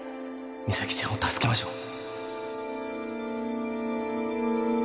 実咲ちゃんを助けましょう